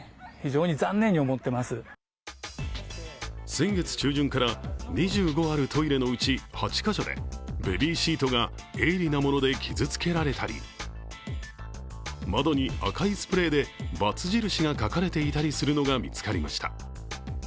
先月中旬から２５あるトイレのうち８か所でベビーシートが鋭利なもので傷つけられたり、窓に赤いスプレーでバツ印が書かれていたりするのが見つかりました。